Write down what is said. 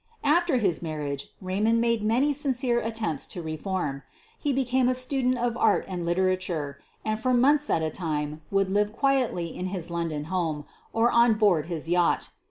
After his marriage Eaymond made many sincere attempts to reform. Ho became a student of art and literature, and for months at a time would live \ quietly in his London home or on board his yacht.